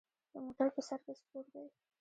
د موټر په سر کې سپور دی.